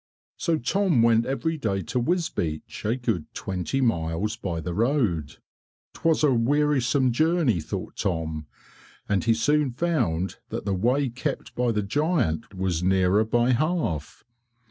So Tom went every day to Wisbeach a good twenty miles by the road. 'T was a wearisome journey thought Tom and he soon found that the way kept by the giant was nearer by half.